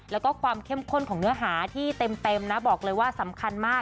แล้วก็ความเข้มข้นของเนื้อหาที่เต็มนะบอกเลยว่าสำคัญมาก